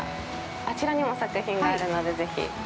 あちらにも作品があるので、ぜひ。